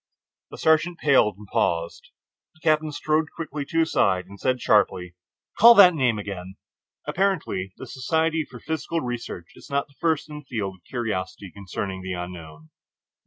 The sergeant paled and paused. The captain strode quickly to his side and said sharply: "Call that name again." Apparently the Society for Psychical Research is not first in the field of curiosity concerning the Unknown.